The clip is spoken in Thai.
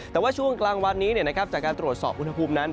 แต่ว่าช่วงกลางวันนี้จากการตรวจสอบอุณหภูมินั้น